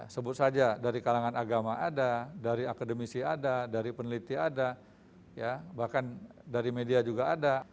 sebut saja dari kalangan agama ada dari akademisi ada dari peneliti ada bahkan dari media juga ada